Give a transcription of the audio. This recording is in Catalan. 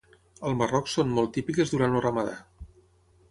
Al Marroc són molt típiques durant el ramadà.